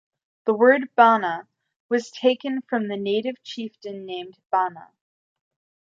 The word Banna was taken from the native chieftain named Bana.